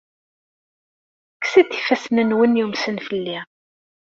Kkset ifassen-nwen yumsen fell-i!